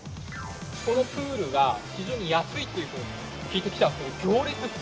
このプールが非常に安いというふうに聞いてきたんですけれども。